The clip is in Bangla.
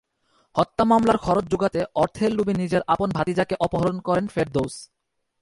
হত্যা মামলার খরচ জোগাতে অর্থের লোভে নিজের আপন ভাতিজাকে অপহরণ করেন ফেরদৌস।